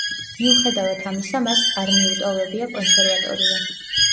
მიუხედავად ამისა, მას არ მიუტოვებია კონსერვატორია.